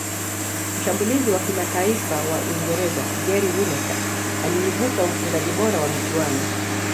Mshambulizi wa kimataifa wa uingereza gary lineker aliibuka mfungaji bora wa michuano